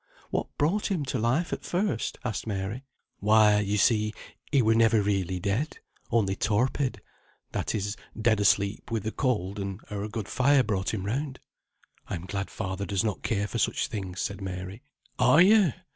"What brought him to life at first?" asked Mary. "Why, you see, he were never really dead, only torpid that is, dead asleep with the cold, and our good fire brought him round." "I'm glad father does not care for such things," said Mary. "Are you!